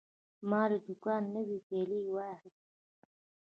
ما له دوکانه نوی پیاله واخیسته.